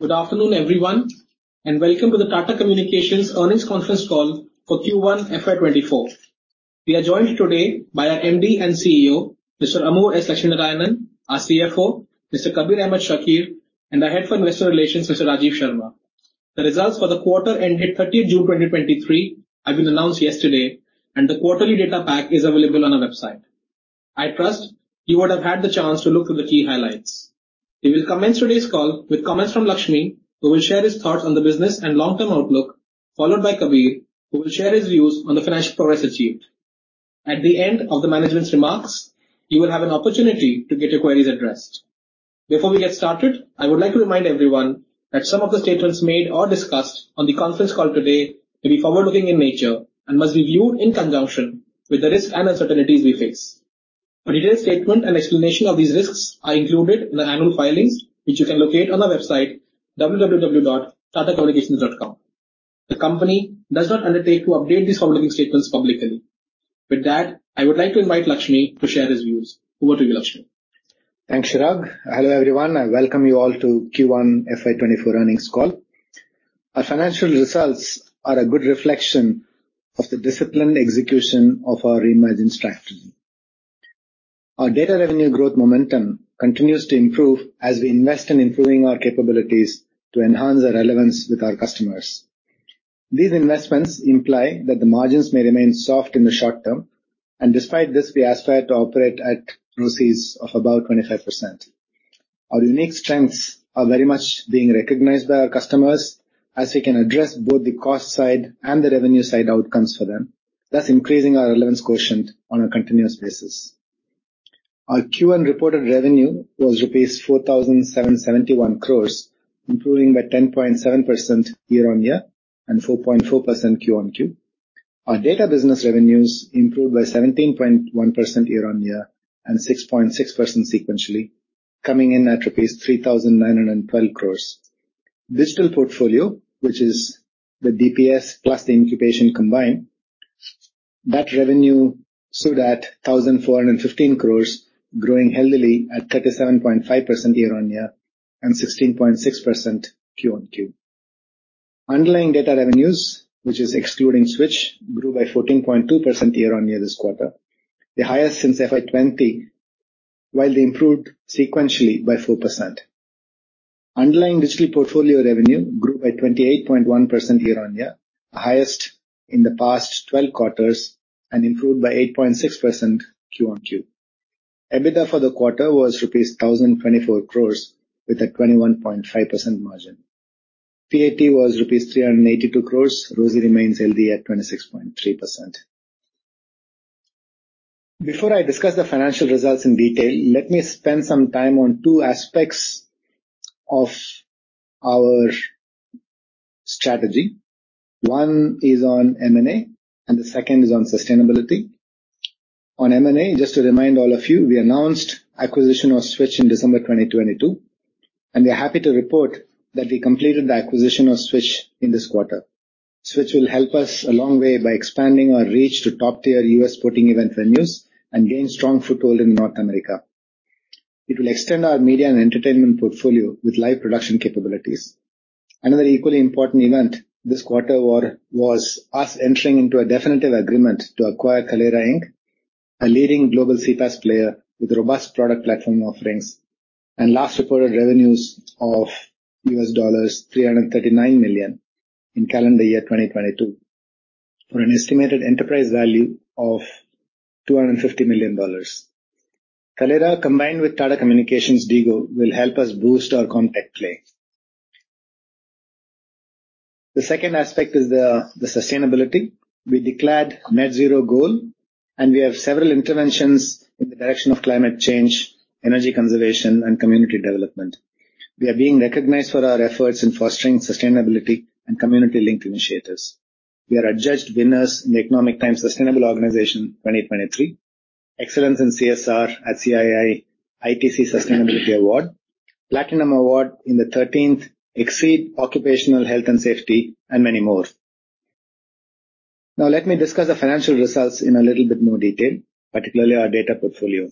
Good afternoon, everyone, and welcome to the Tata Communications Earnings Conference Call for Q1 FY 2024. We are joined today by our MD and CEO, Mr. Amur S. Lakshminarayanan, our CFO, Mr. Kabir Ahmed Shakir, and the Head of Investor Relations, Mr. Rajiv Sharma. The results for the quarter ended 30th June, 2023, have been announced yesterday, and the quarterly data pack is available on our website. I trust you would have had the chance to look through the key highlights. We will commence today's call with comments from Lakshmi, who will share his thoughts on the business and long-term outlook, followed by Kabir, who will share his views on the financial progress achieved. At the end of the management's remarks, you will have an opportunity to get your queries addressed. Before we get started, I would like to remind everyone that some of the statements made or discussed on the conference call today may be forward-looking in nature and must be viewed in conjunction with the risks and uncertainties we face. A detailed statement and explanation of these risks are included in the annual filings, which you can locate on our website, www.tatacommunications.com. The company does not undertake to update these forward-looking statements publicly. With that, I would like to invite Lakshmi to share his views. Over to you, Lakshmi. Thanks, Chirag. Hello, everyone. I welcome you all to Q1 FY 2024 Earnings Call. Our financial results are a good reflection of the disciplined execution of our Reimagine strategy. Our data revenue growth momentum continues to improve as we invest in improving our capabilities to enhance our relevance with our customers. These investments imply that the margins may remain soft in the short term, and despite this, we aspire to operate at ROCEs of above 25%. Our unique strengths are very much being recognized by our customers as we can address both the cost side and the revenue side outcomes for them, thus increasing our relevance quotient on a continuous basis. Our Q1 reported revenue was rupees 4,771 crores, improving by 10.7% year-on-year and 4.4% Q-on-Q. Our data business revenues improved by 17.1% year-on-year and 6.6% sequentially, coming in at rupees 3,912 crores. Digital portfolio, which is the DPS plus the incubation combined, that revenue stood at 1,415 crores, growing healthily at 37.5% year-on-year and 16.6% Q-on-Q. Underlying data revenues, which is excluding Switch, grew by 14.2% year-on-year this quarter, the highest since FY 2020, while they improved sequentially by 4%. Underlying digital portfolio revenue grew by 28.1% year-on-year, the highest in the past 12 quarters and improved by 8.6% Q-on-Q. EBITDA for the quarter was rupees 1,024 crores with a 21.5% margin. PAT was rupees 382 crores. ROCE remains healthy at 26.3%. Before I discuss the financial results in detail, let me spend some time on two aspects of our strategy. One is on M&A. The second is on sustainability. On M&A, just to remind all of you, we announced acquisition of Switch in December 2022. We are happy to report that we completed the acquisition of Switch in this quarter. Switch will help us a long way by expanding our reach to top-tier U.S. sporting event venues and gain strong foothold in North America. It will extend our media and entertainment portfolio with live production capabilities. Another equally important event this quarter was us entering into a definitive agreement to acquire Kaleyra, Inc., a leading global CPaaS player with robust product platform offerings and last reported revenues of $339 million in calendar year 2022, for an estimated enterprise value of $250 million. Kaleyra, combined with Tata Communications DIGO, will help us boost our contact play. The second aspect is the sustainability. We declared net zero goal, and we have several interventions in the direction of climate change, energy conservation, and community development. We are being recognized for our efforts in fostering sustainability and community-linked initiatives. We are adjudged winners in The Economic Times Sustainable Organization 2023, Excellence in CSR at CII-ITC Sustainability Awards, Platinum Award in the 13th Exceed Occupational Health and Safety Award, and many more. Let me discuss the financial results in a little bit more detail, particularly our data portfolio.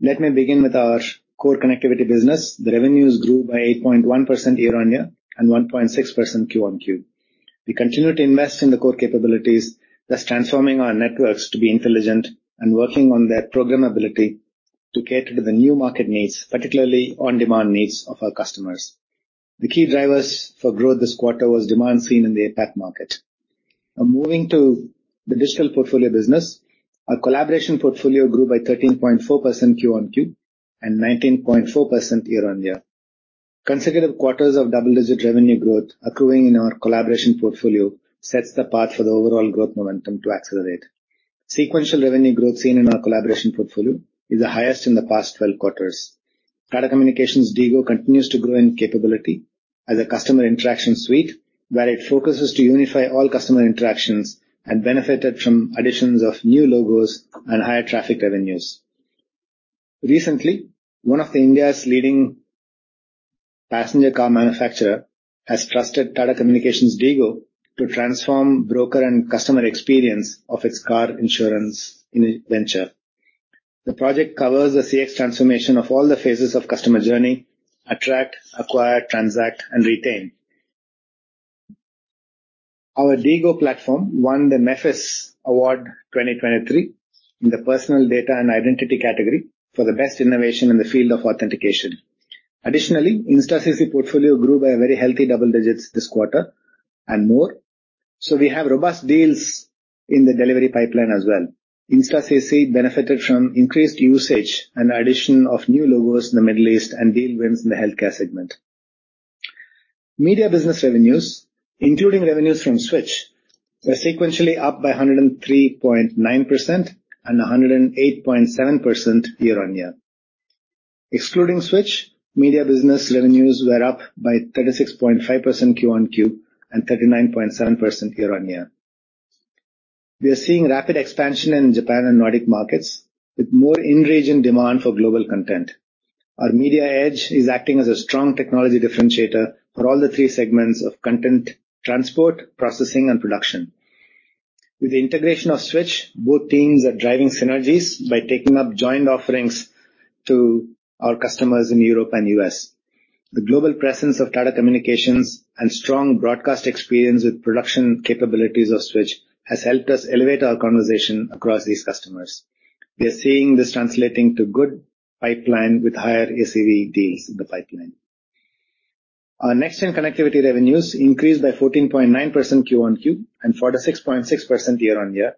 Let me begin with our core connectivity business. The revenues grew by 8.1% year-on-year and 1.6% Q-on-Q. We continue to invest in the core capabilities, thus transforming our networks to be intelligent and working on their programmability to cater to the new market needs, particularly on-demand needs of our customers. The key drivers for growth this quarter was demand seen in the APAC market. Moving to the digital portfolio business, our collaboration portfolio grew by 13.4% Q-on-Q and 19.4% year-on-year. Consecutive quarters of double-digit revenue growth accruing in our collaboration portfolio sets the path for the overall growth momentum to accelerate. Sequential revenue growth seen in our collaboration portfolio is the highest in the past 12 quarters. Tata Communications DIGO continues to grow in capability as a customer interaction suite, where it focuses to unify all customer interactions and benefited from additions of new logos and higher traffic revenues. Recently, one of India's leading passenger car manufacturer has trusted Tata Communications DIGO to transform broker and customer experience of its car insurance in a venture. The project covers the CX transformation of all the phases of customer journey: attract, acquire, transact, and retain. Our DIGO platform won the MEFFYS Award 2023 in the Personal Data & Identity category for the best innovation in the field of authentication. Additionally, InstaCC portfolio grew by a very healthy double digits this quarter and more, so we have robust deals in the delivery pipeline as well. InstaCC benefited from increased usage and addition of new logos in the Middle East and deal wins in the healthcare segment. Media business revenues, including revenues from Switch, were sequentially up by 103.9% and 108.7% year-on-year. Excluding Switch, media business revenues were up by 36.5% Q-on-Q and 39.7% year-on-year. We are seeing rapid expansion in Japan and Nordic markets, with more in-region demand for global content. Our Media Edge is acting as a strong technology differentiator for all the three segments of content transport, processing, and production. With the integration of Switch, both teams are driving synergies by taking up joint offerings to our customers in Europe and U.S. The global presence of Tata Communications and strong broadcast experience with production capabilities of Switch has helped us elevate our conversation across these customers. We are seeing this translating to good pipeline with higher ACV deals in the pipeline. Our next-gen connectivity revenues increased by 14.9% Q-on-Q and 46.6% year-on-year.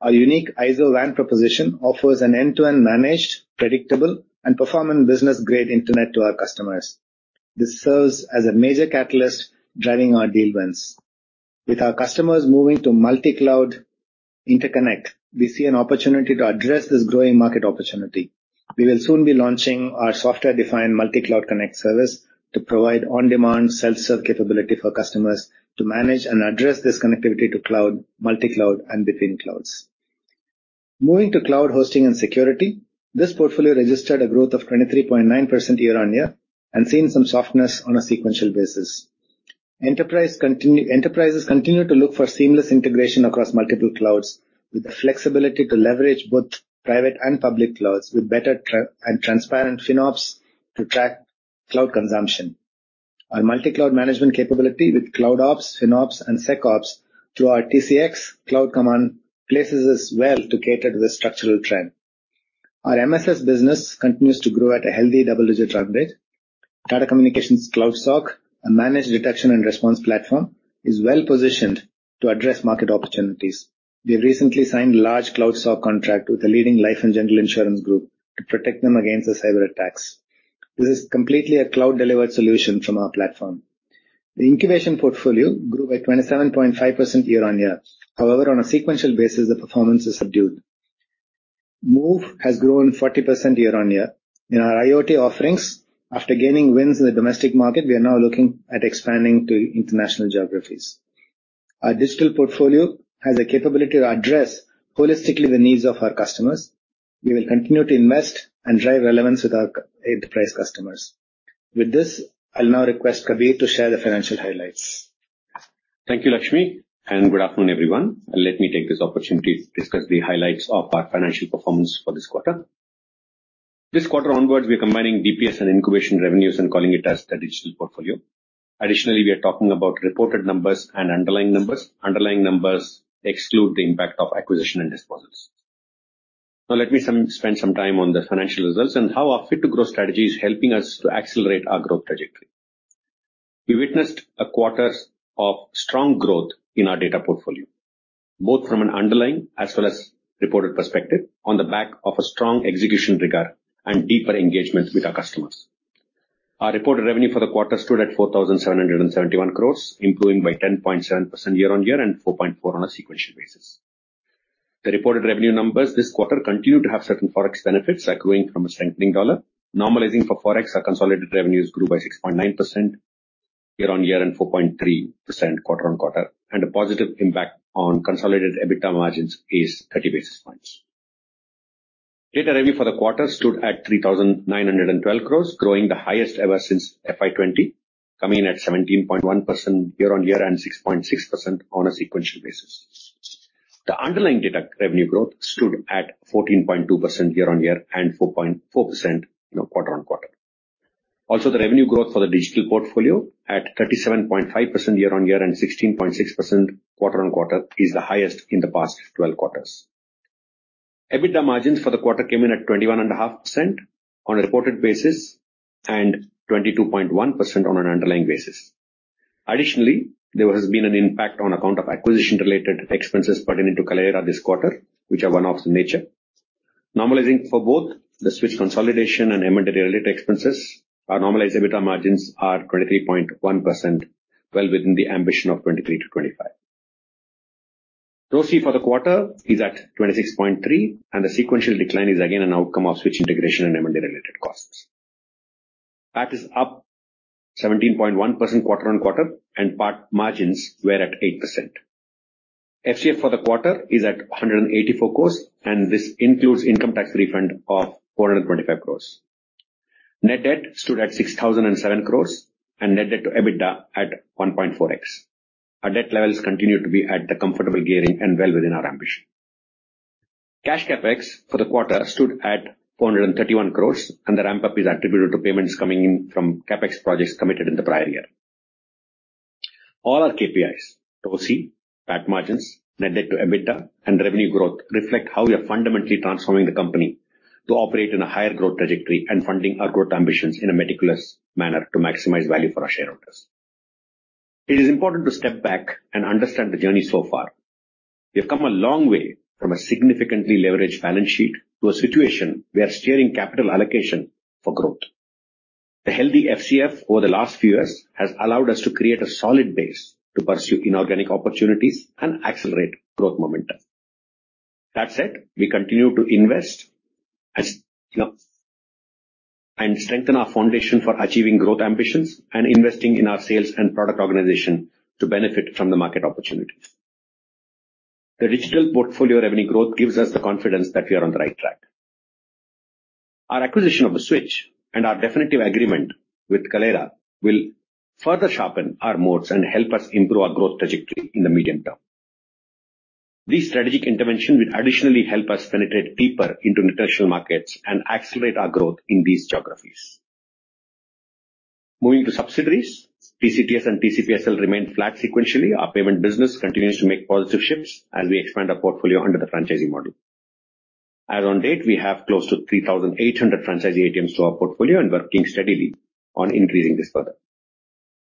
Our unique IZO WAN proposition offers an end-to-end managed, predictable, and performing business-grade internet to our customers. This serves as a major catalyst driving our deal wins. With our customers moving to multi-cloud interconnect, we see an opportunity to address this growing market opportunity. We will soon be launching our software-defined Multi Cloud Connect service to provide on-demand, self-serve capability for customers to manage and address this connectivity to cloud, multi-cloud, and between clouds. Moving to cloud hosting and security, this portfolio registered a growth of 23.9% year-on-year and seen some softness on a sequential basis. Enterprises continue to look for seamless integration across multiple clouds, with the flexibility to leverage both private and public clouds with better and transparent FinOps to track cloud consumption. Our multi-cloud management capability with CloudOps, FinOps, and SecOps through our TCx Cloud Command, places us well to cater to the structural trend. Our MSS business continues to grow at a healthy double-digit run rate. Tata Communications Cloud SOC, a managed detection and response platform, is well-positioned to address market opportunities. We have recently signed a large Cloud SOC contract with a leading life and general insurance group to protect them against the cyber attacks. This is completely a cloud-delivered solution from our platform. The incubation portfolio grew by 27.5% year-on-year. However, on a sequential basis, the performance is subdued. MOVE has grown 40% year-on-year. In our IoT offerings, after gaining wins in the domestic market, we are now looking at expanding to international geographies. Our digital portfolio has a capability to address holistically the needs of our customers. We will continue to invest and drive relevance with our enterprise customers. With this, I'll now request Kabir to share the financial highlights. Thank you, Lakshmi. Good afternoon, everyone. Let me take this opportunity to discuss the highlights of our financial performance for this quarter. This quarter onwards, we are combining DPS and incubation revenues and calling it as the digital portfolio. We are talking about reported numbers and underlying numbers. Underlying numbers exclude the impact of acquisition and disposals. Let me spend some time on the financial results and how our fit-to-grow strategy is helping us to accelerate our growth trajectory. We witnessed a quarters of strong growth in our data portfolio, both from an underlying as well as reported perspective, on the back of a strong execution rigor and deeper engagement with our customers. Our reported revenue for the quarter stood at 4,771 crores, improving by 10.7% year-on-year and 4.4% on a sequential basis. The reported revenue numbers this quarter continued to have certain Forex benefits accruing from a strengthening dollar. Normalizing for Forex, our consolidated revenues grew by 6.9% year-on-year and 4.3% quarter-on-quarter. A positive impact on consolidated EBITDA margins is 30 basis points. Data revenue for the quarter stood at 3,912 crores, growing the highest ever since FY 2020, coming in at 17.1% year-on-year and 6.6% on a sequential basis. The underlying data revenue growth stood at 14.2% year-on-year and 4.4%, you know, quarter-on-quarter. The revenue growth for the digital portfolio at 37.5% year-on-year and 16.6% quarter-on-quarter, is the highest in the past 12 quarters. EBITDA margins for the quarter came in at 21.5% on a reported basis and 22.1% on an underlying basis. Additionally, there has been an impact on account of acquisition-related expenses pertinent to Kaleyra this quarter, which are one-offs in nature. Normalizing for both the Switch consolidation and M&A-related expenses, our normalized EBITDA margins are 23.1%, well within the ambition of 23%-25%. ROCE for the quarter is at 26.3%, and the sequential decline is again an outcome of Switch integration and M&A-related costs. PAT is up 17.1% quarter-on-quarter, and PAT margins were at 8%. FCF for the quarter is at 184 crores, and this includes income tax refund of 425 crores. Net debt stood at 6,007 crores, net debt to EBITDA at 1.4x. Our debt levels continue to be at the comfortable gearing and well within our ambition. Cash CapEx for the quarter stood at 431 crores, the ramp-up is attributable to payments coming in from CapEx projects committed in the prior year. All our KPIs, ROCE, PAT margins, net debt to EBITDA, and revenue growth reflect how we are fundamentally transforming the company to operate in a higher growth trajectory and funding our growth ambitions in a meticulous manner to maximize value for our shareholders. It is important to step back and understand the journey so far. We have come a long way from a significantly leveraged balance sheet to a situation where steering capital allocation for growth. The healthy FCF over the last few years has allowed us to create a solid base to pursue inorganic opportunities and accelerate growth momentum. That said, we continue to invest as, you know, and strengthen our foundation for achieving growth ambitions and investing in our sales and product organization to benefit from the market opportunities. The digital portfolio revenue growth gives us the confidence that we are on the right track. Our acquisition of Switch and our definitive agreement with Kaleyra will further sharpen our modes and help us improve our growth trajectory in the medium term. This strategic intervention will additionally help us penetrate deeper into international markets and accelerate our growth in these geographies. Moving to subsidiaries, TCTS and TCPSL remained flat sequentially. Our payment business continues to make positive shifts as we expand our portfolio under the franchising model. As on date, we have close to 3,800 franchise ATMs to our portfolio and working steadily on increasing this further.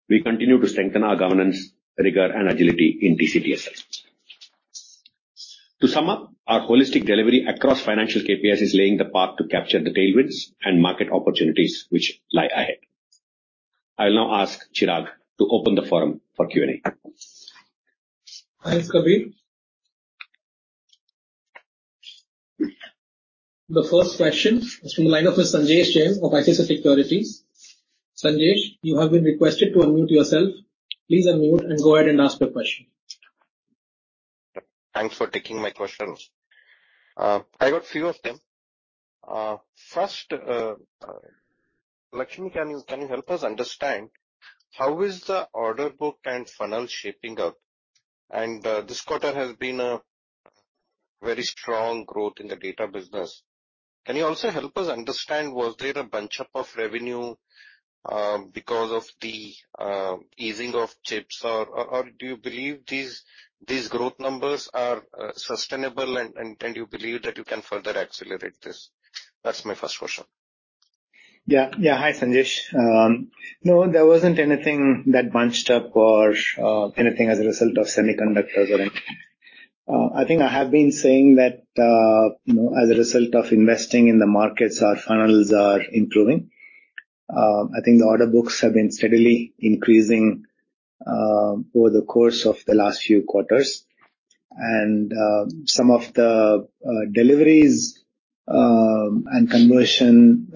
We continue to strengthen our governance, rigor, and agility in TCPSL. To sum up, our holistic delivery across financial KPIs is laying the path to capture the tailwinds and market opportunities which lie ahead. I'll now ask Chirag to open the forum for Q&A. Thanks, Kabir. The first question is from the line of Sanjesh Jain of ICICI Securities. Sanjesh, you have been requested to unmute yourself. Please unmute and go ahead and ask your question. Thanks for taking my questions. I got few of them. First, Lakshmi, can you help us understand how is the order book and funnel shaping up? This quarter has been a very strong growth in the data business. Can you also help us understand, was there a bunch up of revenue because of the easing of chips? Or, do you believe these growth numbers are sustainable and you believe that you can further accelerate this? That's my first question. Yeah. Yeah. Hi, Sanjesh. No, there wasn't anything that bunched up or anything as a result of semiconductors or anything. I think I have been saying that, you know, as a result of investing in the markets, our funnels are improving. I think the order books have been steadily increasing over the course of the last few quarters. Some of the deliveries and conversion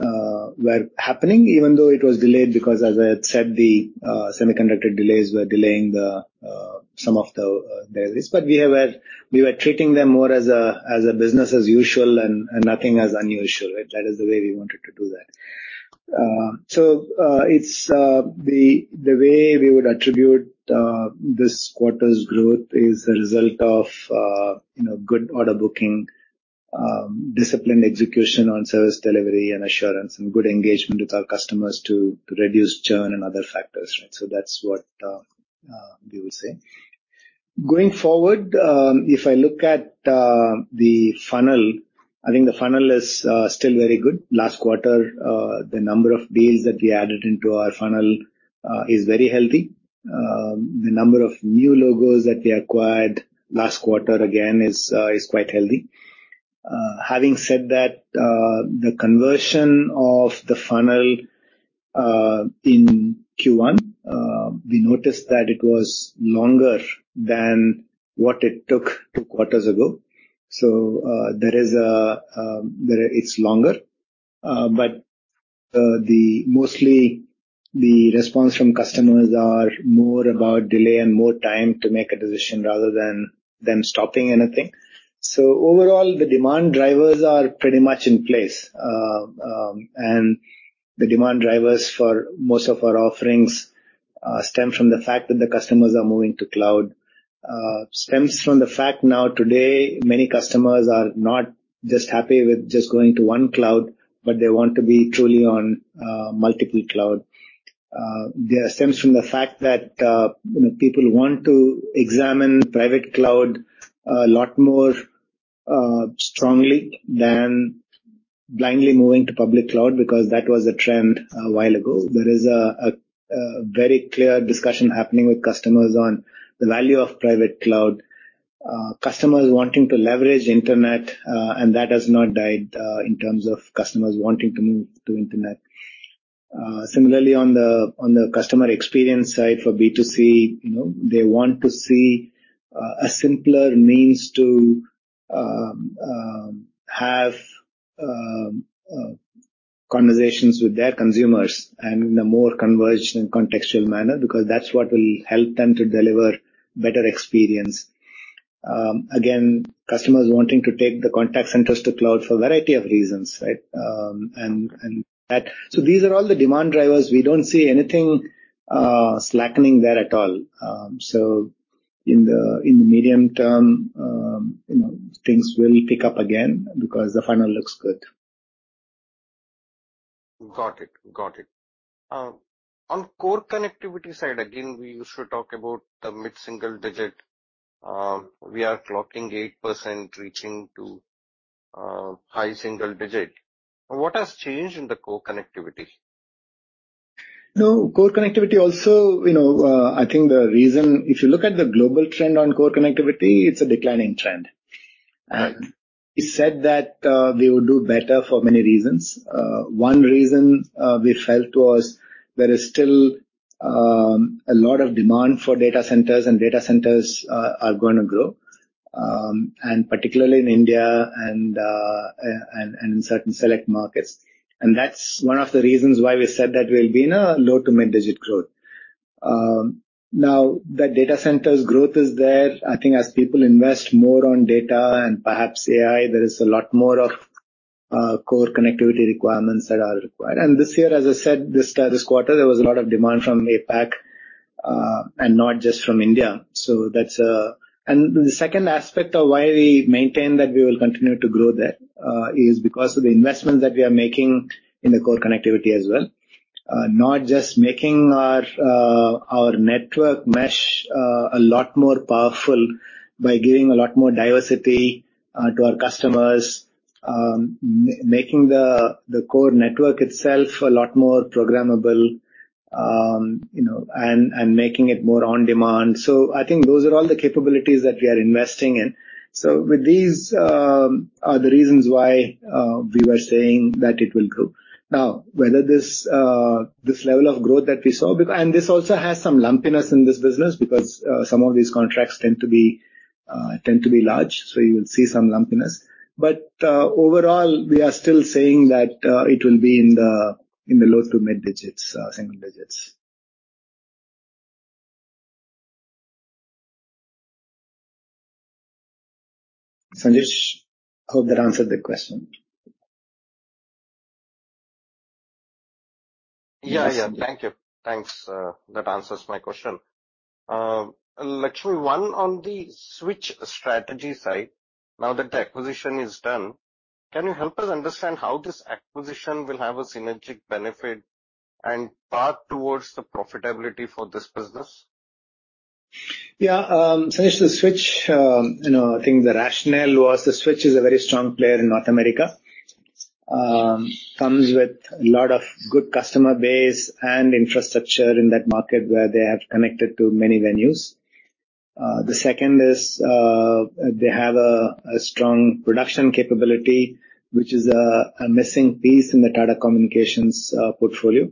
were happening even though it was delayed, because as I had said, the semiconductor delays were delaying the some of the deliveries. We were treating them more as a business as usual and nothing as unusual, right? That is the way we wanted to do that. It's the way we would attribute this quarter's growth is a result of, you know, good order booking, disciplined execution on service delivery and assurance, and good engagement with our customers to reduce churn and other factors. That's what we would say. Going forward, if I look at the funnel, I think the funnel is still very good. Last quarter, the number of deals that we added into our funnel is very healthy. The number of new logos that we acquired last quarter, again, is quite healthy. Having said that, the conversion of the funnel in Q1, we noticed that it was longer than what it took two quarters ago. So, there is a, it's longer, but the mostly the response from customers are more about delay and more time to make a decision, rather than them stopping anything. Overall, the demand drivers are pretty much in place. The demand drivers for most of our offerings, stem from the fact that the customers are moving to cloud. Stems from the fact now, today, many customers are not just happy with just going to one cloud, but they want to be truly on multiple cloud. There stems from the fact that, you know, people want to examine private cloud a lot more strongly than blindly moving to public cloud, because that was the trend a while ago. There is a very clear discussion happening with customers on the value of private cloud. Customers wanting to leverage internet, and that has not died, in terms of customers wanting to move to internet. Similarly, on the customer experience side, for B2C, you know, they want to see a simpler means to have conversations with their consumers and in a more converged and contextual manner, because that's what will help them to deliver better experience. Again, customers wanting to take the contact centers to cloud for a variety of reasons, right? These are all the demand drivers. We don't see anything slackening there at all. In the medium term, you know, things will pick up again because the funnel looks good. Got it. Got it. On core connectivity side, again, we used to talk about the mid single digit. We are clocking 8%, reaching to high single digit. What has changed in the core connectivity? No, core connectivity also, you know, If you look at the global trend on core connectivity, it's a declining trend. We said that we would do better for many reasons. One reason we felt was there is still a lot of demand for data centers, and data centers are gonna grow, and particularly in India and in certain select markets. That's one of the reasons why we said that we'll be in a low to mid-digit growth. Now, the data centers growth is there. I think as people invest more on data and perhaps AI, there is a lot more of core connectivity requirements that are required. This year, as I said, this quarter, there was a lot of demand from APAC, and not just from India. The second aspect of why we maintain that we will continue to grow there is because of the investments that we are making in the core connectivity as well. Not just making our network mesh a lot more powerful by giving a lot more diversity to our customers, making the core network itself a lot more programmable, you know, and making it more on demand. I think those are all the capabilities that we are investing in. With these are the reasons why we were saying that it will grow. Whether this level of growth that we saw, this also has some lumpiness in this business because some of these contracts tend to be large, so you will see some lumpiness. Overall, we are still saying that it will be in the, in the low to mid digits, single digits. Sanjesh, I hope that answered the question. Yeah, yeah. Thank you. Thanks, that answers my question. Actually, one on the Switch strategy side. Now that the acquisition is done, can you help us understand how this acquisition will have a synergetic benefit and path towards the profitability for this business? Yeah, Sanjesh, the Switch, you know, I think the rationale was the Switch is a very strong player in North America. Comes with a lot of good customer base and infrastructure in that market where they have connected to many venues. The second is, they have a strong production capability, which is a missing piece in the Tata Communications portfolio,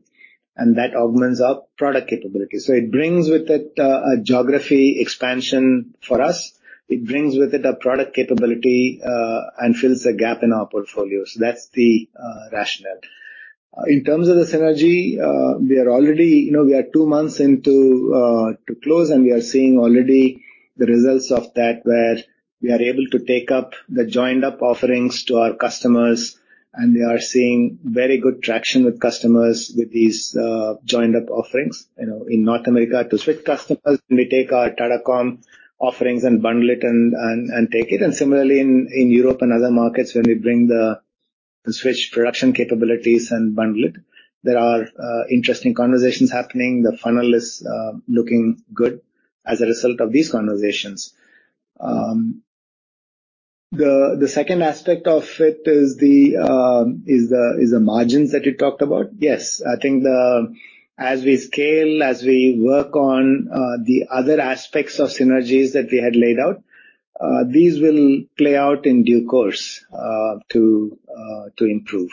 and that augments our product capability. It brings with it a geography expansion for us. It brings with it a product capability and fills the gap in our portfolio. That's the rationale. In terms of the synergy, we are already, you know, we are two months into to close, and we are seeing already the results of that, where we are able to take up the joined-up offerings to our customers, and we are seeing very good traction with customers with these joined-up offerings. You know, in North America, to Switch customers, we take our Tata Comm offerings and bundle it and take it. Similarly, in Europe and other markets, when we bring the Switch production capabilities and bundle it, there are interesting conversations happening. The funnel is looking good as a result of these conversations. The second aspect of it is the is the margins that you talked about. Yes, I think, as we scale, as we work on, the other aspects of synergies that we had laid out, these will play out in due course, to improve.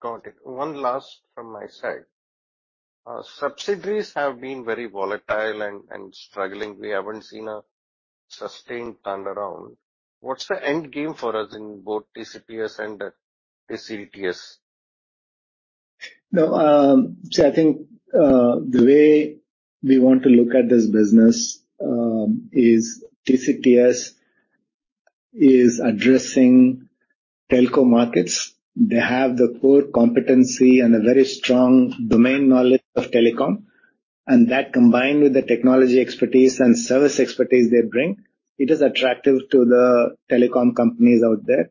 Got it. One last from my side. Subsidiaries have been very volatile and struggling. We haven't seen a sustained turnaround. What's the end game for us in both TCPSL and TCTS? See, I think the way we want to look at this business is TCTS is addressing telco markets. They have the core competency and a very strong domain knowledge of telecom, and that, combined with the technology expertise and service expertise they bring, it is attractive to the telecom companies out there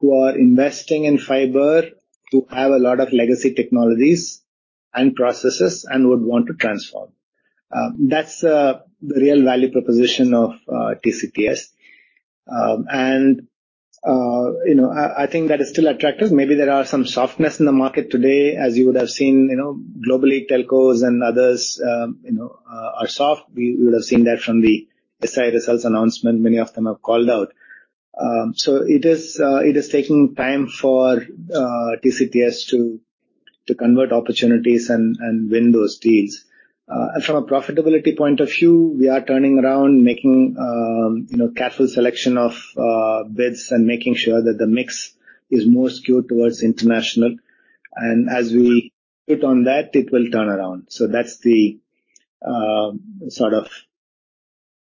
who are investing in fiber, who have a lot of legacy technologies and processes and would want to transform. That's the real value proposition of TCTS. You know, I think that is still attractive. Maybe there are some softness in the market today, as you would have seen, you know, globally, telcos and others, you know, are soft. We would have seen that from the SI results announcement. Many of them have called out. It is taking time for TCTS to convert opportunities and win those deals. From a profitability point of view, we are turning around, making, you know, careful selection of bids and making sure that the mix is more skewed towards international. As we hit on that, it will turn around. That's the, sort of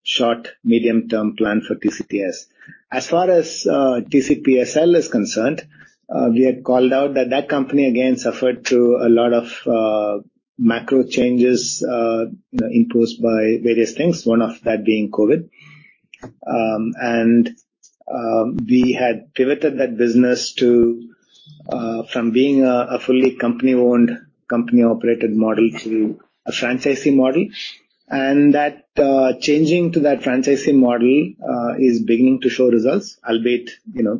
short, medium-term plan for TCTS. As far as TCPSL is concerned, we had called out that that company again suffered through a lot of macro changes, imposed by various things, one of that being COVID. We had pivoted that business to from being a fully company-owned, company-operated model to a franchisee model. That, changing to that franchisee model, is beginning to show results, albeit, you know,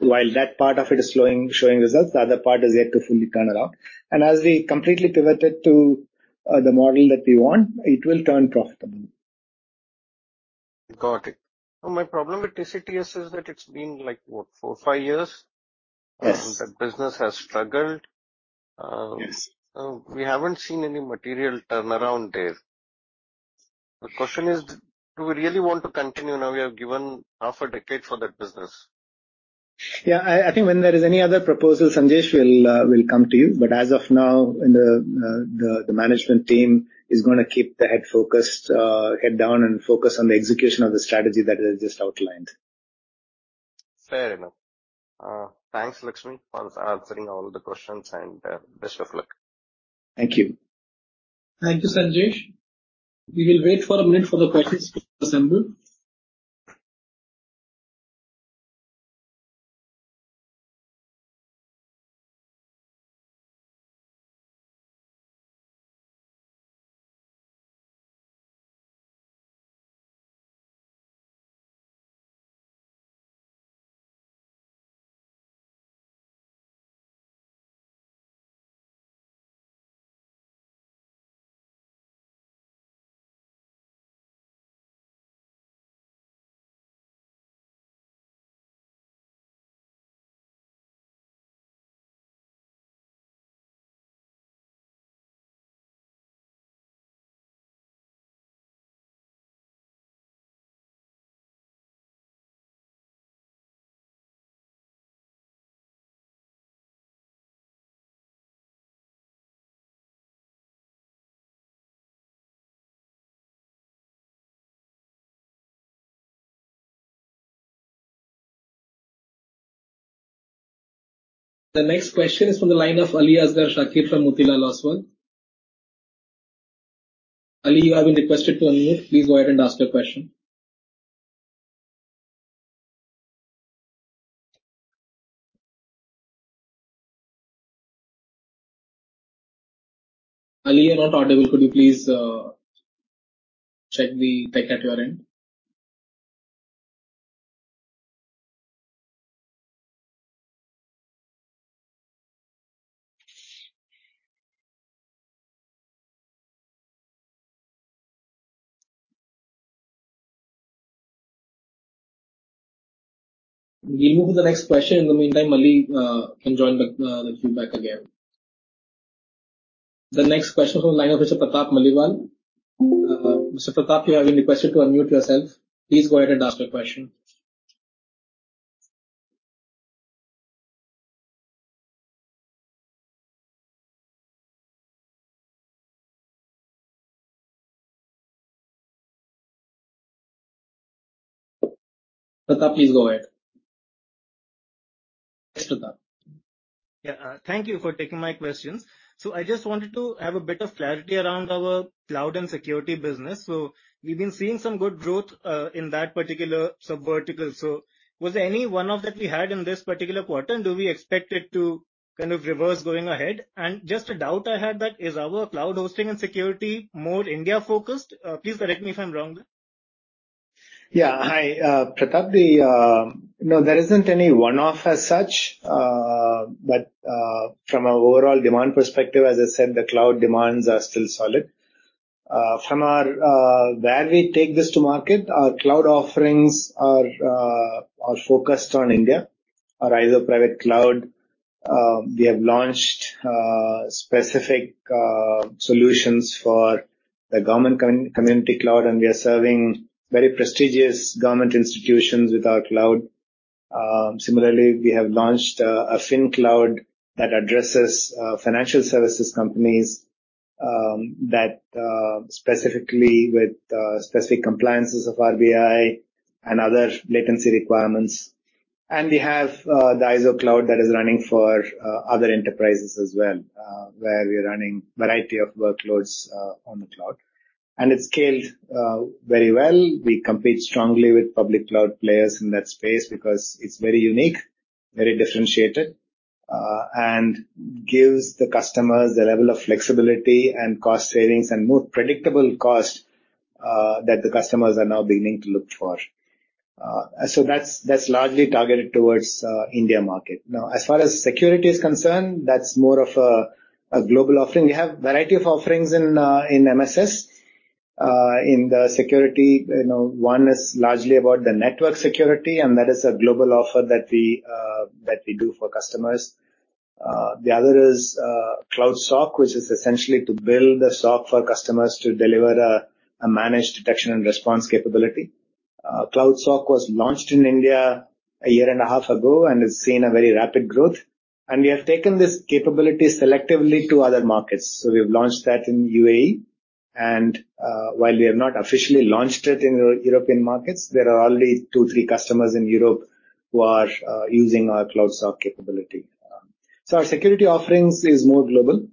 while that part of it is showing results, the other part is yet to fully turn around. As we completely pivot it to, the model that we want, it will turn profitable. Got it. My problem with TCTS is that it's been like, what, four, five years? Yes. That business has struggled. Yes. We haven't seen any material turnaround there. The question is, do we really want to continue now? We have given half a decade for that business. Yeah, I think when there is any other proposal, Sanjesh, we'll come to you. As of now, in the management team is gonna keep the head focused, head down and focus on the execution of the strategy that I just outlined. Fair enough. Thanks, Lakshmi, for answering all the questions, and best of luck. Thank you. Thank you, Sanjesh. We will wait for a minute for the questions to assemble. The next question is from the line of Aliasgar Shakir from Motilal Oswal. Ali, you have been requested to unmute. Please go ahead and ask your question. Ali, you're not audible. Could you please check the tech at your end? We move to the next question. In the meantime, Ali can join the queue back again. The next question from the line of Mr. Pratap Maliwal. Mr. Pratap, you have been requested to unmute yourself. Please go ahead and ask your question. Pratap, please go ahead. Yes, Pratap. Yeah. Thank you for taking my questions. I just wanted to have a bit of clarity around our cloud and security business. We've been seeing some good growth in that particular subvertical. Was there any one-off that we had in this particular quarter, and do we expect it to kind of reverse going ahead? Just a doubt I had that, is our cloud hosting and security more India-focused? Please correct me if I'm wrong there. Hi, Pratap. No, there isn't any one-off as such. From an overall demand perspective, as I said, the cloud demands are still solid. From our, where we take this to market, our cloud offerings are focused on India, are either private cloud. We have launched specific solutions for the government community cloud, and we are serving very prestigious government institutions with our cloud. Similarly, we have launched a fin cloud that addresses financial services companies, that specifically with specific compliances of RBI and other latency requirements. We have the IZO Cloud that is running for other enterprises as well, where we are running variety of workloads on the cloud. It's scaled very well. We compete strongly with public cloud players in that space because it's very unique, very differentiated, and gives the customers a level of flexibility and cost savings, and more predictable cost, that the customers are now beginning to look for. That's, that's largely targeted towards India market. Now, as far as security is concerned, that's more of a global offering. We have a variety of offerings in MSS. In the security, you know, one is largely about the network security, and that is a global offer that we do for customers. The other is, Cloud SOC, which is essentially to build a SOC for customers to deliver a managed detection and response capability. Cloud SOC was launched in India a year and a half ago, and it's seen a very rapid growth. We have taken this capability selectively to other markets. We have launched that in UAE, and while we have not officially launched it in the European markets, there are already two, three customers in Europe who are using our Cloud SOC capability. Our security offerings is more global.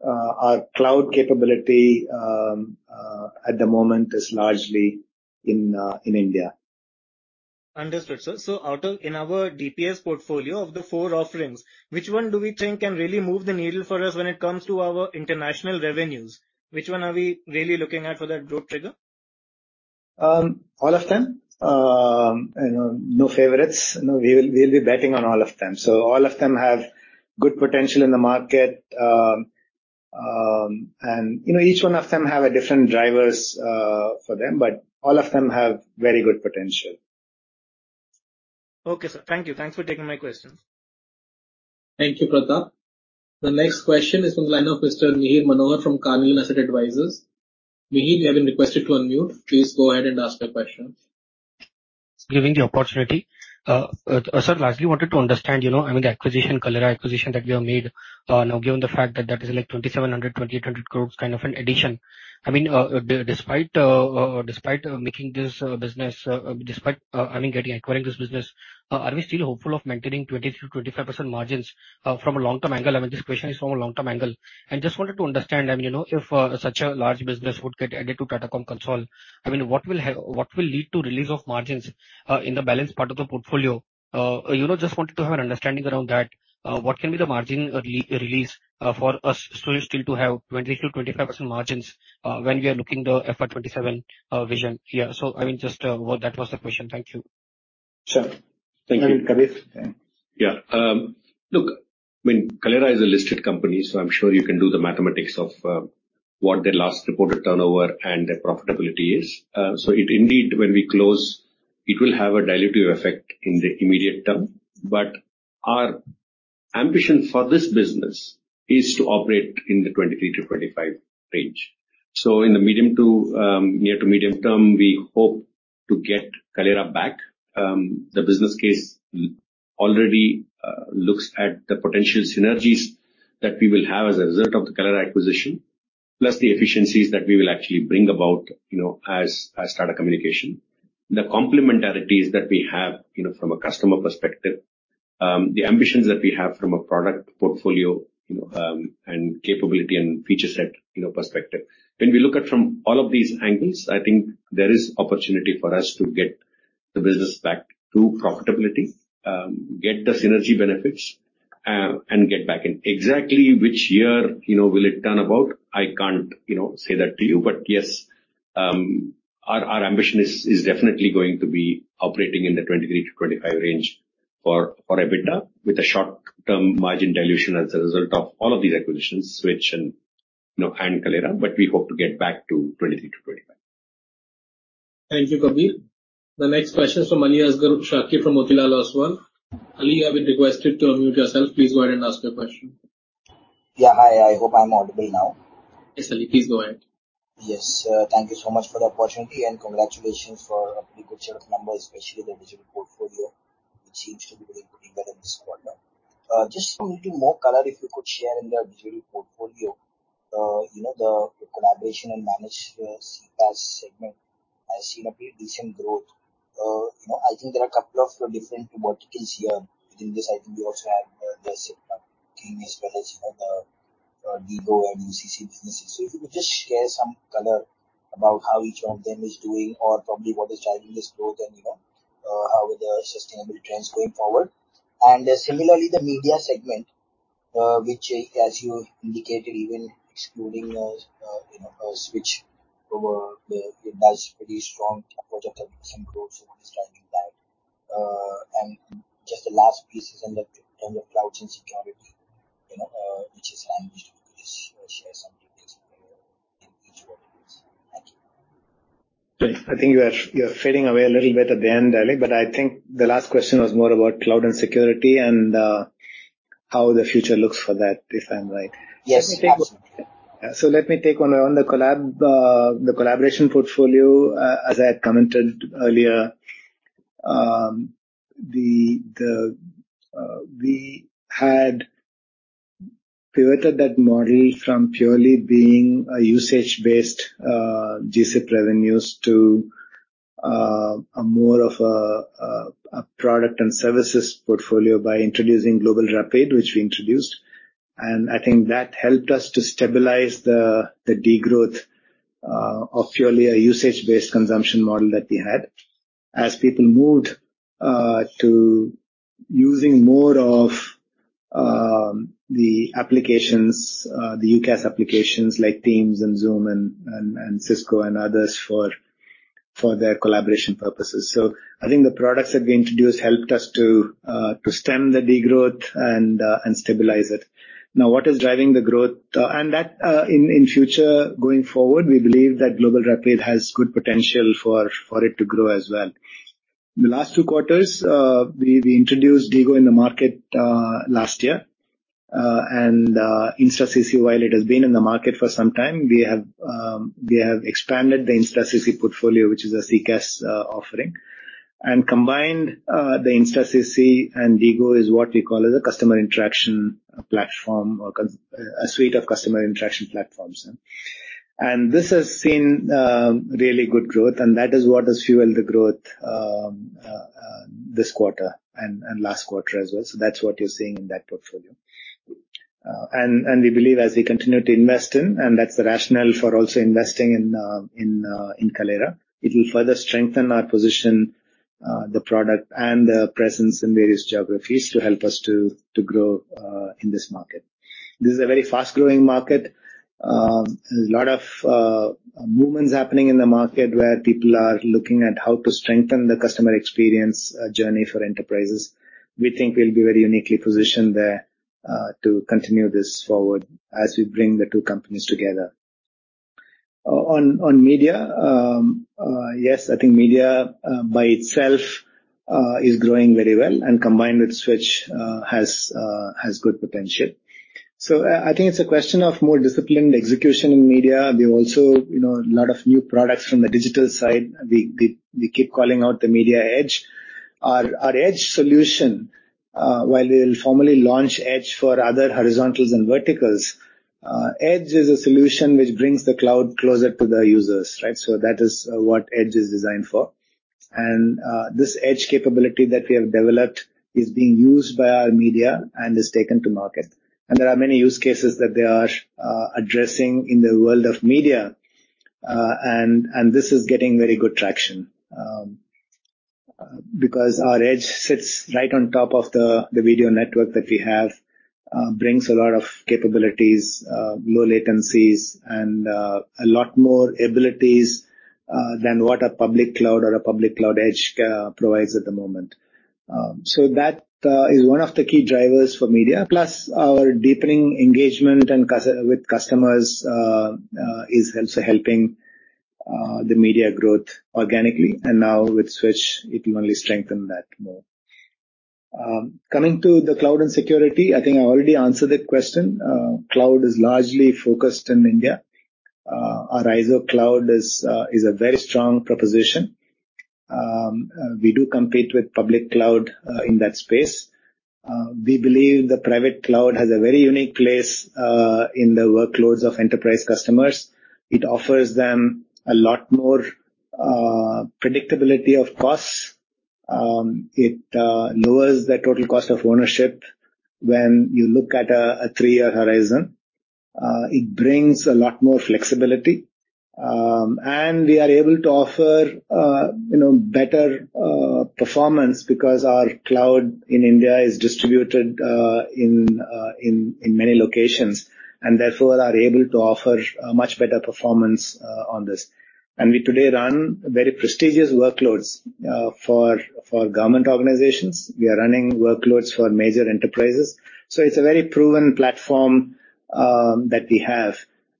Our cloud capability at the moment is largely in India. Understood, sir. In our DPS portfolio of the four offerings, which one do we think can really move the needle for us when it comes to our international revenues? Which one are we really looking at for that growth trigger? All of them. You know, no favorites. No, we'll be betting on all of them. All of them have good potential in the market. You know, each one of them have a different drivers for them. All of them have very good potential. Okay, sir. Thank you. Thanks for taking my question. Thank you, Pratap. The next question is from the line of Mr. Mihir Manohar from Carnelian Asset Advisors. Mihir, you have been requested to unmute. Please go ahead and ask your question. Thanks for giving the opportunity. Sir, lastly, wanted to understand, you know, I mean, the Kaleyra acquisition that we have made, now, given the fact that that is like 2,700 crore-2,800 crore kind of an addition, despite acquiring this business, are we still hopeful of maintaining 20%-25% margins from a long-term angle? This question is from a long-term angle, and just wanted to understand, if such a large business would get added to Tata Comm console, what will lead to release of margins in the balance part of the portfolio? Just wanted to have an understanding around that. What can be the margin re-release, for us so as still to have 20%-25% margins, when we are looking the FY 2027, vision? I mean, just, That was the question. Thank you. Sure. Thank you. Kabir? Yeah. Look, I mean, Kaleyra is a listed company, I'm sure you can do the mathematics of what their last reported turnover and their profitability is. It indeed, when we close, it will have a dilutive effect in the immediate term. Our ambition for this business is to operate in the 23%-25% range. In the medium to near to medium term, we hope to get Kaleyra back. The business case already looks at the potential synergies that we will have as a result of the Kaleyra acquisition, plus the efficiencies that we will actually bring about, you know, as Tata Communications. The complementarities that we have, you know, from a customer perspective, the ambitions that we have from a product portfolio, you know, and capability and feature set, you know, perspective. When we look at from all of these angles, I think there is opportunity for us to get the business back to profitability, get the synergy benefits, and get back in. Exactly which year, you know, will it turn about? I can't, you know, say that to you. Yes, our ambition is definitely going to be operating in the 23%-25% range for EBITDA, with a short-term margin dilution as a result of all of these acquisitions, Switch and, you know, Kaleyra. We hope to get back to 23%-25%. Thank you, Kabir. The next question is from Aliasgar Shakir from Motilal Oswal. Ali, you have been requested to unmute yourself. Please go ahead and ask your question. Yeah. Hi, I hope I'm audible now. Yes, Ali, please go ahead. Yes, sir. Thank you so much for the opportunity. Congratulations for a pretty good set of numbers, especially the digital portfolio, which seems to be really pretty good in this quarter. Just a little more color, if you could share in the digital portfolio, you know, the collaboration and managed CPaaS segment has seen a pretty decent growth. You know, I think there are a couple of different what you can see within this. I think you also have the CPaaS as well as the DIGO and UCC businesses. If you could just share some color about how each one of them is doing or probably what is driving this growth and, you know, how they are sustainable trends going forward. Similarly, the media segment, which, as you indicated, even excluding, you know, Switch over, it does pretty strong quarter growth. Understanding that. Just the last piece is on the, on the cloud and security, you know, which is language. Just share some details in each verticals. Thank you. I think you are, you are fading away a little bit at the end, Ali, but I think the last question was more about cloud and security and how the future looks for that, if I'm right? Yes. Let me take on the collab, the collaboration portfolio. As I had commented earlier, we had pivoted that model from purely being a usage-based GCIP revenues to a more of a product and services portfolio by introducing GlobalRapide, which we introduced, and I think that helped us to stabilize the degrowth of purely a usage-based consumption model that we had. As people moved to using more of the applications, the UCaaS applications like Teams and Zoom and Cisco and others for their collaboration purposes. I think the products that we introduced helped us to stem the degrowth and stabilize it. What is driving the growth? That in future, going forward, we believe that GlobalRapide has good potential for it to grow as well. The last two quarters, we introduced DIGO in the market last year. InstaCC, while it has been in the market for some time, we have expanded the InstaCC portfolio, which is a CCaaS offering. Combined, the InstaCC and DIGO is what we call as a customer interaction platform or a suite of customer interaction platforms. This has seen really good growth, and that is what has fueled the growth this quarter and last quarter as well. That's what you're seeing in that portfolio. We believe as we continue to invest in, and that's the rationale for also investing in Kaleyra, it will further strengthen our position, the product and the presence in various geographies to help us to grow in this market. This is a very fast-growing market. A lot of movements happening in the market where people are looking at how to strengthen the customer experience, journey for enterprises. We think we'll be very uniquely positioned there to continue this forward as we bring the two companies together. On media, yes, I think media by itself is growing very well, and combined with Switch has good potential. I think it's a question of more disciplined execution in media. We also, you know, a lot of new products from the digital side. We keep calling out the Media Edge. Our Edge solution, while we'll formally launch Edge for other horizontals and verticals, Edge is a solution which brings the cloud closer to the users, right? That is what Edge is designed for. This Edge capability that we have developed is being used by our media and is taken to market. There are many use cases that they are addressing in the world of media. And this is getting very good traction because our Edge sits right on top of the video network that we have, brings a lot of capabilities, low latencies and a lot more abilities than what a public cloud or a public cloud Edge provides at the moment. So that is one of the key drivers for media, plus our deepening engagement with customers is also helping the media growth organically. And now with The Switch Enterprises LLC, it will only strengthen that more. Coming to the cloud and security, I think I already answered that question. Cloud is largely focused in India. Our IZO Cloud is a very strong proposition. We do compete with public cloud in that space. We believe the private cloud has a very unique place in the workloads of enterprise customers. It offers them a lot more predictability of costs. It lowers the total cost of ownership when you look at a three year horizon. It brings a lot more flexibility. We are able to offer, you know, better performance because our cloud in India is distributed in many locations, and therefore are able to offer a much better performance on this. We today run very prestigious workloads for government organizations. We are running workloads for major enterprises. It's a very proven platform that we have.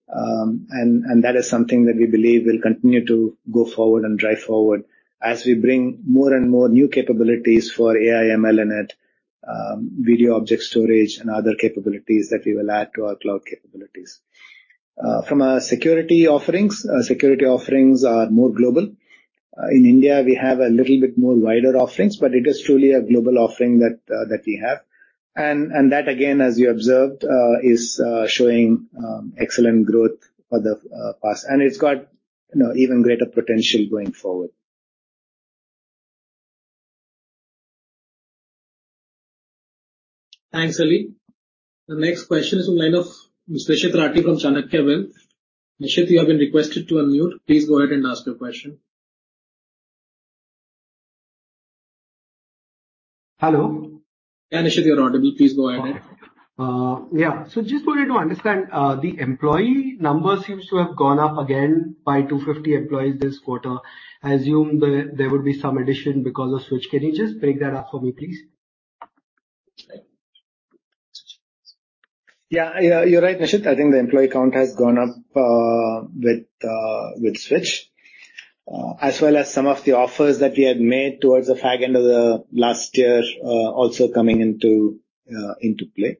That is something that we believe will continue to go forward and drive forward as we bring more and more new capabilities for AI, ML, and AI, video object storage and other capabilities that we will add to our cloud capabilities. From our security offerings, security offerings are more global. In India, we have a little bit more wider offerings, but it is truly a global offering that we have. That, again, as you observed, is showing excellent growth for the past. It's got, you know, even greater potential going forward. Thanks, Ali. The next question is from line of Nishit Rathi from Chanakya Wealth. Nishit, you have been requested to unmute. Please go ahead and ask your question. Hello? Yeah, Nishit, you're audible. Please go ahead. Yeah. Just wanted to understand, the employee number seems to have gone up again by 250 employees this quarter. I assume there would be some addition because of Switch. Can you just break that up for me, please? Yeah, you're right, Nishit. I think the employee count has gone up with Switch as well as some of the offers that we had made towards the back end of the last year also coming into play.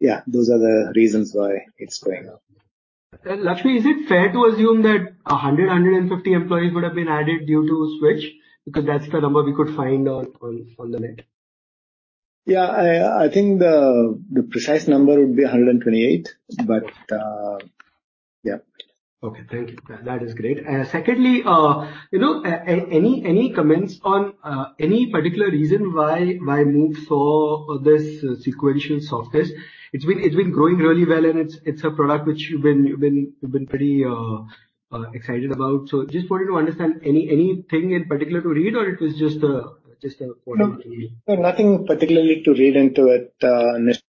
Yeah, those are the reasons why it's going up. Lakshmi, is it fair to assume that 100-150 employees would have been added due to Switch? That's the number we could find on the net. Yeah, I think the precise number would be 128, but, yeah. Okay, thank you. That is great. Secondly, you know, any comments on any particular reason why MOVE for this sequential softness? It's been growing really well, and it's a product which you've been pretty excited about. Just wanted to understand any, anything in particular to read, or it was just. No, nothing particularly to read into it, Nishit.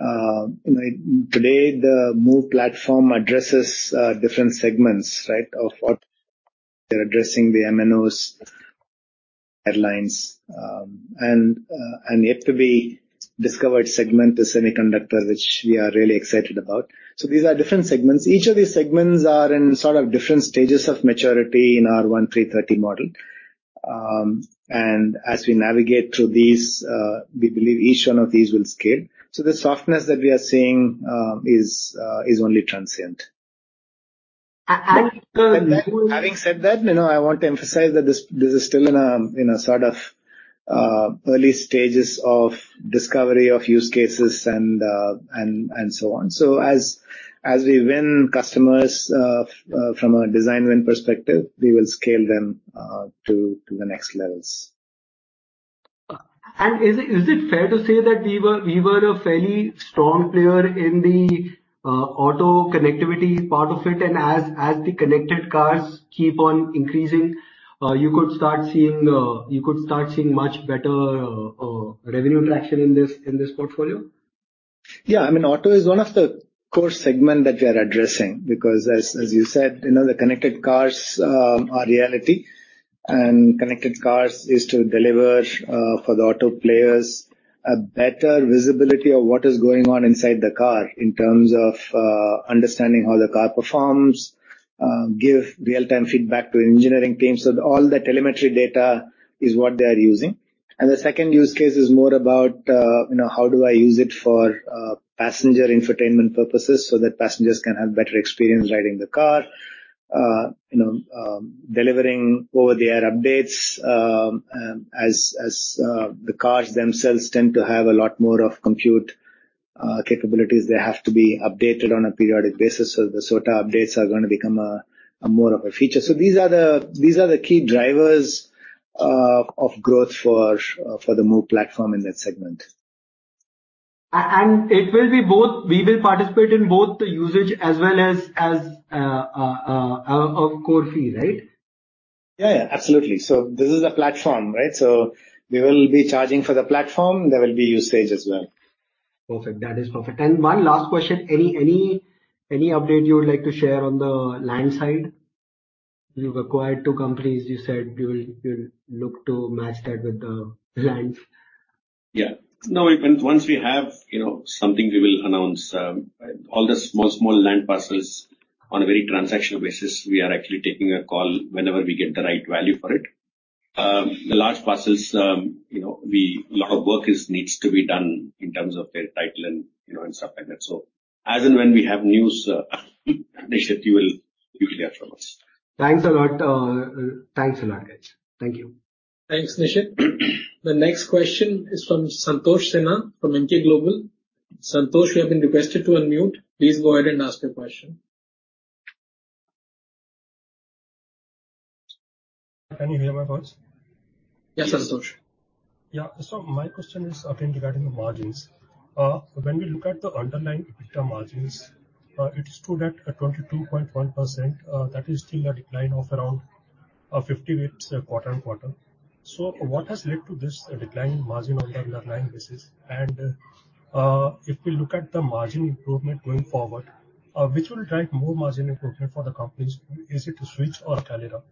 Like today, the MOVE platform different segments, right? They're addressing the MNOs, and a yet to be discovered segment is semiconductor, which we are really excited about. These are different segments. Each of these segments are in sort of different stages of maturity in our 1-3-30 model. As we navigate through these, we believe each one of these will scale. The softness that we are seeing is only transient. Having said that, you know, I want to emphasize that this is still in a, in a sort of, early stages of discovery, of use cases and so on. As we win customers, from a design win perspective, we will scale them to the next levels. Is it fair to say that we were a fairly strong player in the auto connectivity part of it, as the connected cars keep on increasing, you could start seeing much better revenue traction in this portfolio? Yeah. I mean, auto is one of the core segment that we are addressing because as you said, you know, the connected cars are reality. Connected cars is to deliver for the auto players, a better visibility of what is going on inside the car in terms of understanding how the car performs, give real-time feedback to engineering teams. All the telemetry data is what they are using. The second use case is more about, you know, how do I use it for passenger infotainment purposes so that passengers can have better experience riding the car? You know, delivering over-the-air updates. As the cars themselves tend to have a lot more of compute capabilities, they have to be updated on a periodic basis, so the SOTA updates are gonna become a more of a feature. These are the key drivers of growth for the MOVE platform in that segment. It will be both, we will participate in both the usage as well as a core fee, right? Yeah, yeah, absolutely. This is a platform, right? We will be charging for the platform. There will be usage as well. Perfect. That is perfect. One last question? Any update you would like to share on the land side? You've acquired two companies. You said you'll look to match that with the land. Yeah. No, once we have, you know, something, we will announce. All the small land parcels on a very transactional basis, we are actually taking a call whenever we get the right value for it. The large parcels, you know, lot of work is needs to be done in terms of their title and, you know, and stuff like that. As and when we have news, Nishit, you will hear from us. Thanks a lot. Thank you. Thanks, Nishit. The next question is from Santhosh Sinha from Emkay Global. Santhosh, you have been requested to unmute. Please go ahead and ask your question. Can you hear my voice? Yes, Santhosh. My question is again, regarding the margins. When we look at the underlying EBITDA margins, it is true that at 22.1%, that is still a decline of around 50 basis points quarter-on-quarter. What has led to this decline in margin on the underlying basis? If we look at the margin improvement going forward, which will drive more margin improvement for the company, is it The Switch or Kaleyra?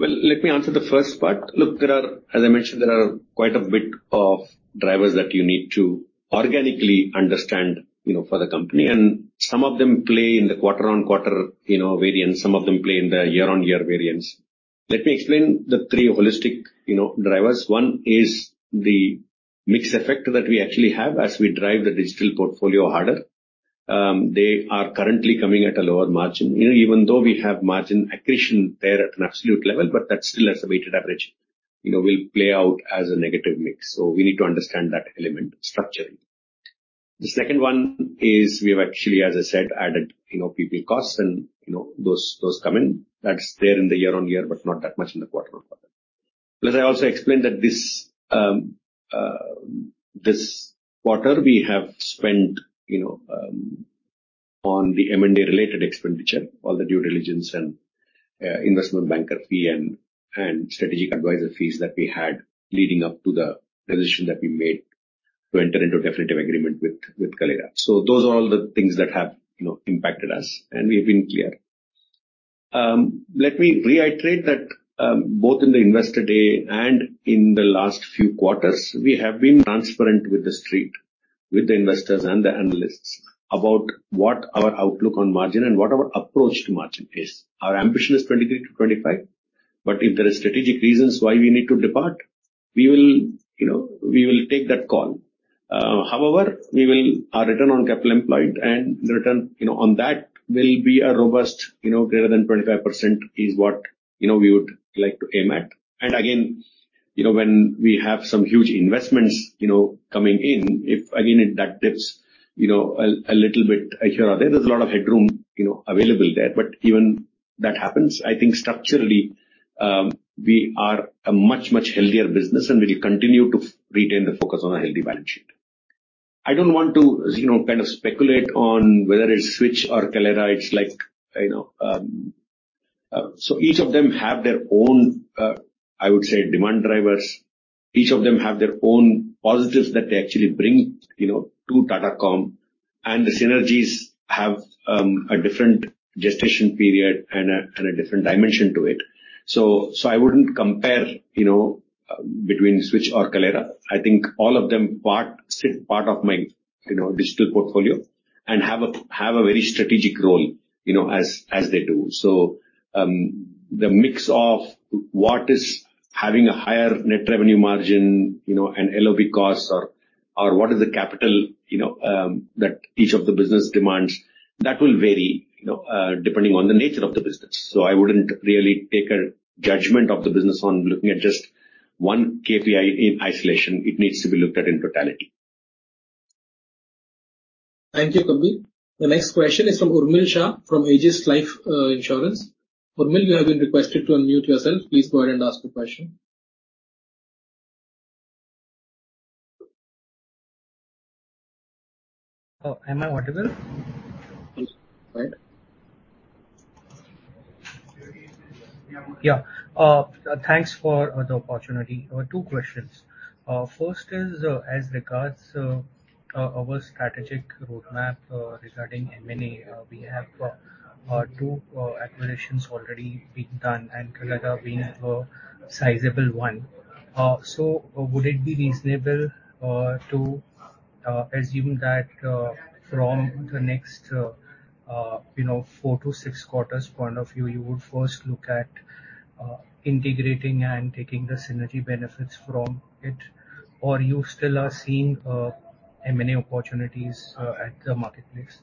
Let me answer the first part. Look, as I mentioned, there are quite a bit of drivers that you need to organically understand, you know, for the company, and some of them play in the quarter-on-quarter, you know, variance, some of them play in the year-on-year variance. Let me explain the three holistic, you know, drivers. One is the mix effect that we actually have as we drive the digital portfolio harder. They are currently coming at a lower margin. You know, even though we have margin accretion there at an absolute level, but that still as a weighted average, you know, will play out as a negative mix. We need to understand that element structurally. The second one is we have actually, as I said, added, you know, P&P costs and, you know, those come in. That's there in the year-on-year, but not that much in the quarter-on-quarter. I also explained that this quarter we have spent, you know, on the M&A related expenditure, all the due diligence and investment banker fee and strategic advisor fees that we had leading up to the decision that we made to enter into a definitive agreement with Kaleyra. Those are all the things that have, you know, impacted us, and we have been clear. Let me reiterate that both in the Investor Day and in the last few quarters, we have been transparent with the street, with the investors and the analysts about what our outlook on margin and what our approach to margin is. Our ambition is 23%-25%, if there are strategic reasons why we need to depart, we will, you know, we will take that call. However, we will, our return on capital employed and the return, you know, on that will be a robust, you know, greater than 25% is what, you know, we would like to aim at. Again, you know, when we have some huge investments, you know, coming in, if, again, that dips, you know, a little bit here or there's a lot of headroom, you know, available there. Even that happens, I think structurally, we are a much, much healthier business, and we will continue to retain the focus on a healthy balance sheet. I don't want to, you know, kind of speculate on whether it's Switch or Kaleyra. It's like, you know, each of them have their own, I would say, demand drivers. Each of them have their own positives that they actually bring, you know, to Tata Comm, and the synergies have a different gestation period and a different dimension to it. I wouldn't compare, you know, between Switch or Kaleyra. I think all of them part, sit part of my, you know, digital portfolio and have a very strategic role, you know, as they do. The mix of what is having a higher net revenue margin, you know, and LOB costs or what is the capital, you know, that each of the business demands, that will vary, you know, depending on the nature of the business. I wouldn't really take a judgment of the business on looking at just one KPI in isolation. It needs to be looked at in totality. Thank you, Kabir. The next question is from Urmil Shah, from Ageas Life Insurance. Urmil, you have been requested to unmute yourself. Please go ahead and ask the question. Oh, am I audible? Please, go ahead. Yeah. Thanks for the opportunity. Two questions. First is, as regards our strategic roadmap regarding M&A, we have two acquisitions already been done, and Kaleyra being a sizable one. Would it be reasonable to assume that from the next, you know, four to six quarters point of view, you would first look at integrating and taking the synergy benefits from it, or you still are seeing M&A opportunities at the marketplace?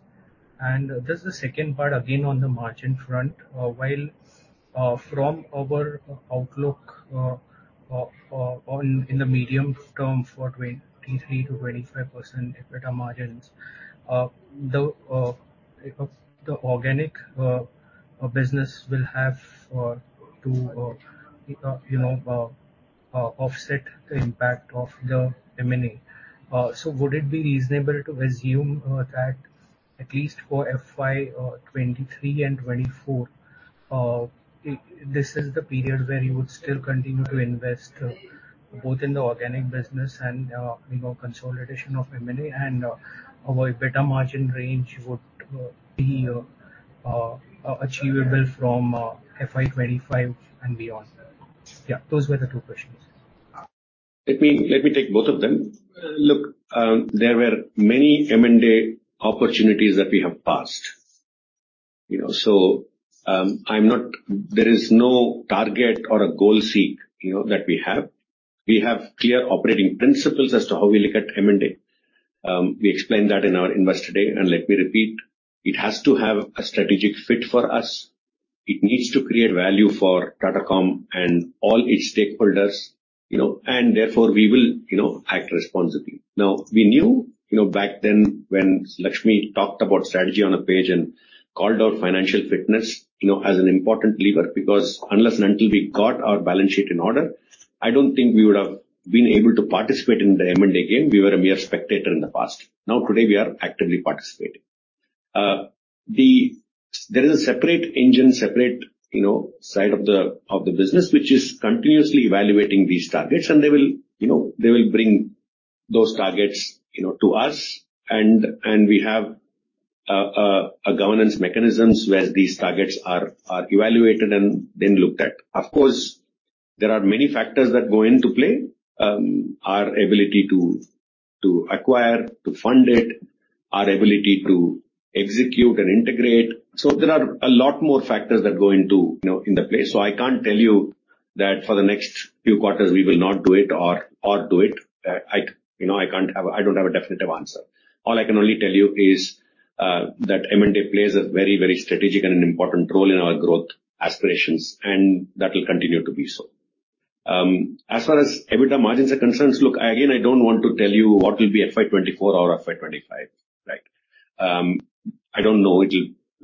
This is the second part, again, on the margin front. While from our outlook on, in the medium term for 23%-25% EBITDA margins, the organic business will have to, you know, offset the impact of the M&A. Would it be reasonable to assume that at least for FY 2023 and 2024, this is the period where you would still continue to invest both in the organic business and, you know, consolidation of M&A, and our EBITDA margin range would be achievable from FY 2025 and beyond? Those were the two questions. Let me take both of them. Look, there were many M&A opportunities that we have passed, you know? There is no target or a goal seek, you know, that we have. We have clear operating principles as to how we look at M&A. We explained that in our Investor Day, let me repeat, it has to have a strategic fit for us. It needs to create value for Tata comm and all its stakeholders, you know, therefore we will, you know, act responsibly. We knew, you know, back then when Lakshmi talked about strategy on a page and called out financial fitness, you know, as an important lever, because unless and until we got our balance sheet in order, I don't think we would have been able to participate in the M&A game. We were a mere spectator in the past. Today, we are actively participating. There is a separate engine, separate, you know, side of the business, which is continuously evaluating these targets, and they will, you know, they will bring those targets, you know, to us, and we have a governance mechanisms where these targets are evaluated and then looked at. Of course, there are many factors that go into play. Our ability to acquire, to fund it, our ability to execute and integrate. There are a lot more factors that go into, you know, in the place. I can't tell you that for the next few quarters, we will not do it or do it. I, you know, I can't have, I don't have a definitive answer. All I can only tell you is that M&A plays a very, very strategic and an important role in our growth aspirations, and that will continue to be so. As far as EBITDA margins are concerned, look, again, I don't want to tell you what will be FY 2024 or FY 2025, right? I don't know.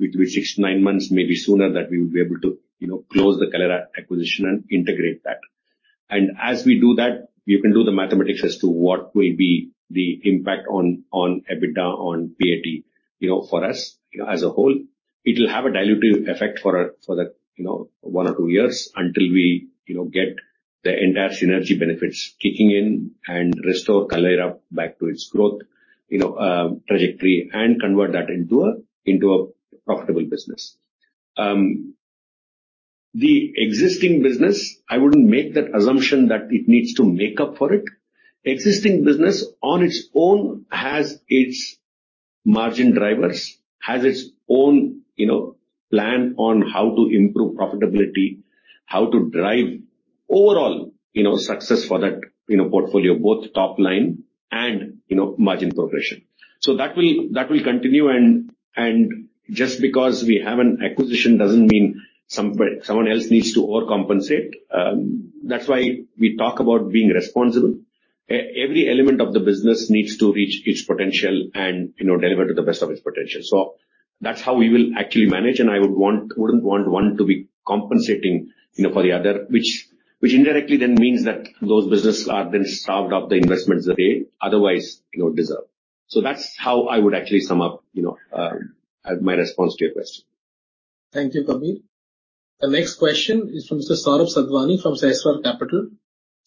It'll be six to nine months, maybe sooner, that we will be able to, you know, close the Kaleyra acquisition and integrate that. As we do that, you can do the mathematics as to what will be the impact on EBITDA, on PAT. You know, for us, as a whole, it will have a dilutive effect for the, you know, one or two years until we, you know, get the entire synergy benefits kicking in and restore Kaleyra back to its growth, you know, trajectory, and convert that into a, into a profitable business. The existing business, I wouldn't make that assumption that it needs to make up for it. Existing business, on its own, has its margin drivers, has its own, you know, plan on how to improve profitability, how to drive overall, you know, success for that, you know, portfolio, both top line and, you know, margin progression. That will, that will continue and just because we have an acquisition doesn't mean someone else needs to overcompensate. That's why we talk about being responsible. Every element of the business needs to reach its potential and, you know, deliver to the best of its potential. That's how we will actually manage, and I wouldn't want one to be compensating, you know, for the other, which indirectly then means that those businesses are then starved of the investments they otherwise, you know, deserve. That's how I would actually sum up, you know, my response to your question. Thank you, Kabir. The next question is from Mr. Saurabh Sadhwani from Sahasrar Capital.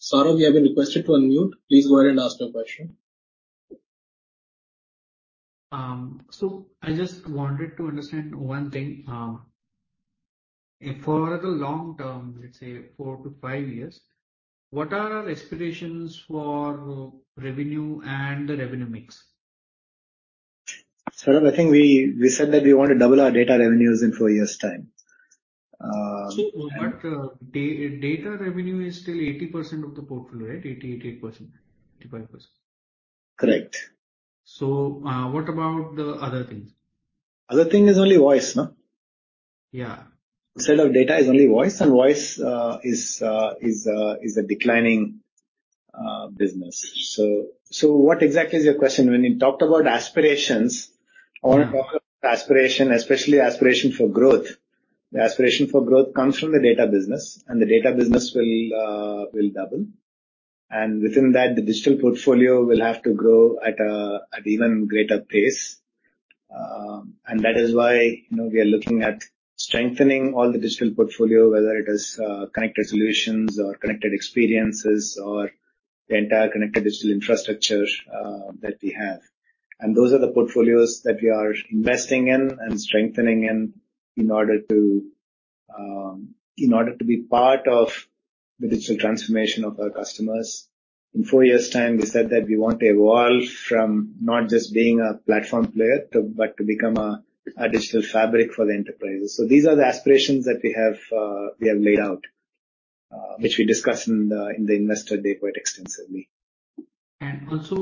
Saurabh, you have been requested to unmute. Please go ahead and ask your question. I just wanted to understand one thing. For the long term, let's say four to five years, what are our expectations for revenue and the revenue mix? Saurabh, I think we said that we want to double our data revenues in four years' time. Data revenue is still 80% of the portfolio, right? 80%, 88%, 85%. Correct. What about the other things? Other thing is only voice, no? Yeah. Sell of data is only voice is a declining business. What exactly is your question? When you talked about aspirations, I want to talk about aspiration, especially aspiration for growth. The aspiration for growth comes from the data business, the data business will double. Within that, the digital portfolio will have to grow at even greater pace. That is why, you know, we are looking at strengthening all the digital portfolio, whether it is Connected solutions or connected experiences or the entire connected digital infrastructure that we have. Those are the portfolios that we are investing in and strengthening in order to be part of the digital transformation of our customers. In four years' time, we said that we want to evolve from not just being a platform player but to become a digital fabric for the enterprises. These are the aspirations that we have laid out, which we discussed in the Investor Day quite extensively. Also,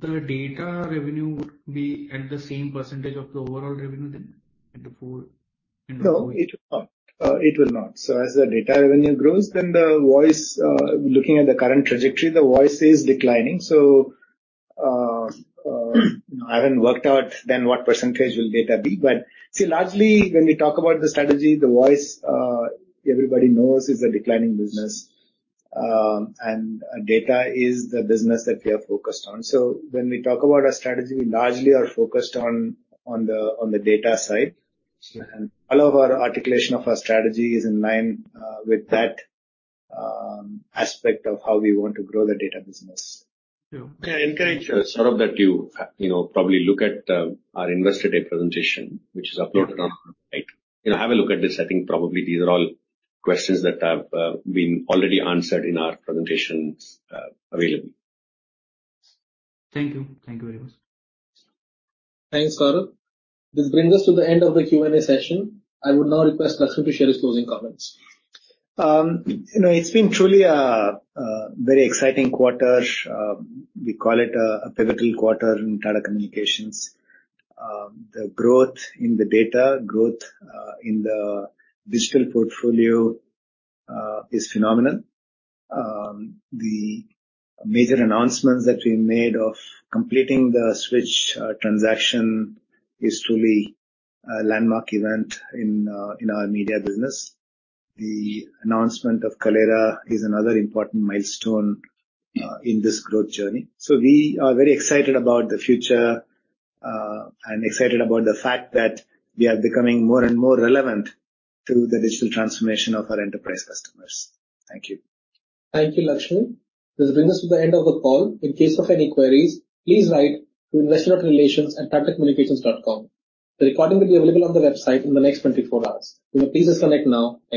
the data revenue would be at the same percentage of the overall revenue then. No, it will not. It will not. As the data revenue grows, then the voice, looking at the current trajectory, the voice is declining. I haven't worked out then what percentage will data be. See, largely, when we talk about the strategy, the voice, everybody knows is a declining business, and data is the business that we are focused on. When we talk about our strategy, we largely are focused on the, on the data side. Sure. All of our articulation of our strategy is in line with that aspect of how we want to grow the data business. Yeah. I encourage Saurabh, that you know, probably look at our Investor Day presentation, which is uploaded on our site. You know, have a look at this. I think probably these are all questions that have been already answered in our presentations available. Thank you. Thank you very much. Thanks, Saurabh. This brings us to the end of the Q&A session. I would now request Lakshmi to share his closing comments. You know, it's been truly a very exciting quarter. We call it a pivotal quarter in Tata Communications. The growth in the data, growth in the digital portfolio is phenomenal. The major announcements that we made of completing the Switch transaction is truly a landmark event in our media business. The announcement of Kaleyra is another important milestone in this growth journey. We are very excited about the future and excited about the fact that we are becoming more and more relevant through the digital transformation of our enterprise customers. Thank you. Thank you, Lakshmi. This brings us to the end of the call. In case of any queries, please write to investorrelations@tatacommunications.com. The recording will be available on the website in the next 24 hours. You may please disconnect now. Thank you.